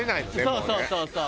そうそうそうそう。